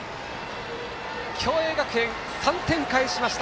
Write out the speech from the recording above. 共栄学園、３点返しました